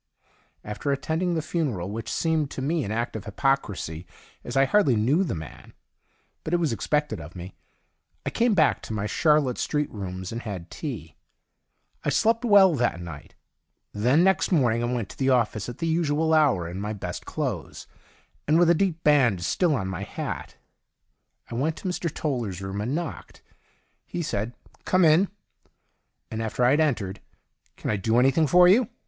After attending the funeral (which seemed to me an act of hypocrisy, as I hardly knew the man, but it was expected of me), I came back to my Charlotte Street rooms and had tea. I slept well that night. Then next morning I went to the office at the usual hour, in my best clothes, and with a deep band still on ray hat. I went to Mr. Toller's room and knocked. He said, ' Come in,' and after I had entered :' Can I do anything for you